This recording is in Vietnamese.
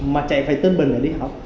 mà chạy về tân bình để đi học